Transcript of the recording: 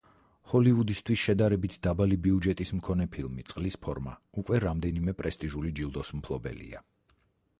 ჰოლივუდისთვის შედარებით დაბალი ბიუჯეტის მქონე ფილმი „წყლის ფორმა“ უკვე რამდენიმე პრესტიჟული ჯილდოს მფლობელია.